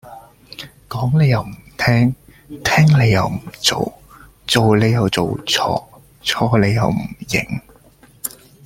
講你又唔聽聽你又唔做做你又做錯錯你又唔認